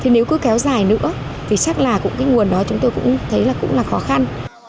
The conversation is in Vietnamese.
nếu cứ kéo dài nữa thì chắc là nguồn đó chúng tôi cũng thấy là khó khăn